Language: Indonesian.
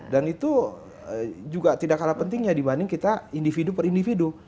dan itu juga tidak kalah pentingnya dibanding kita individu per individu